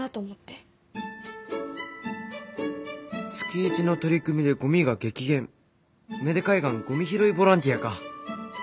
「月１の取り組みでゴミが激減芽出海岸ゴミ拾いボランティア」か。